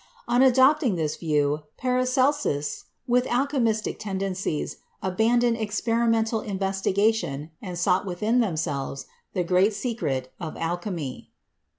On adopting this view, the Paracelsists with alchemistic tendencies aban doned experimental investigation and sought within them selves the great secret of alchemy.